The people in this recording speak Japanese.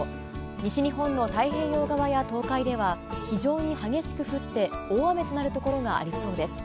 西日本の太平洋側や東海では非常に激しく降って、大雨となるところがありそうです。